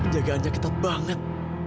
penjagaannya kita banget